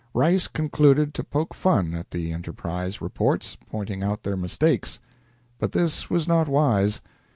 Rice concluded to poke fun at the "Enterprise" reports, pointing out their mistakes. But this was not wise.